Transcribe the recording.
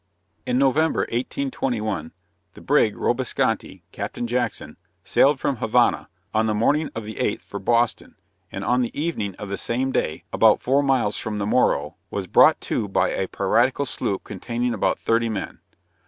In November 1821, the brig Cobbessecontee, Captain Jackson, sailed from Havana, on the morning of the 8th for Boston, and on the evening of the same day, about four miles from the Moro, was brought to by a piratical sloop containing about 30 men.